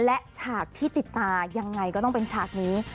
และฉากที่ติดตายังไงก็ต้องเป็นฉากนี้